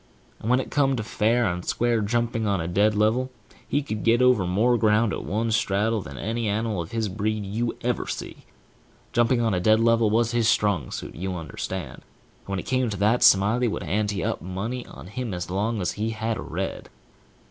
And when it came to fair and square jumping on a dead level, he could get over more ground at one straddle than any animal of his breed you ever see. Jumping on a dead level was his strong suit, you understand; and when it come to that, Smiley would ante up money on him as long as he had a red.